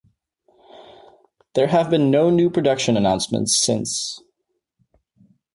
There have been no new production announcements since.